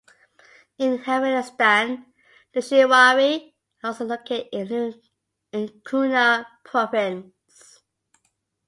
In Afghanistan, the Shinwari are also located in Kunar province.